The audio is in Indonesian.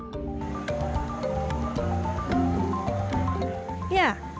pembatasan akrilik di indonesia